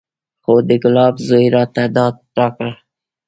خو د ګلاب زوى راته ډاډ راکړ.